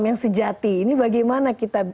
yang sejati ini bagaimana kita